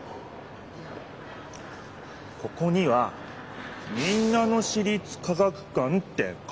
ここには「民奈野市立科学館」って書いてあるよ。